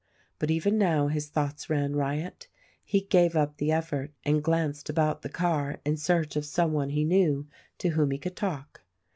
But even now his thoughts ran riot. He gave up the effort and glanced about the car in search of some one he knew, to whom he could talk.